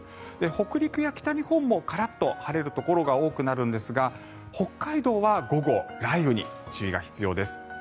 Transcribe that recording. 北陸や北日本もカラッと晴れるところが多くなるんですが北海道は午後、雷雨に注意が必要です。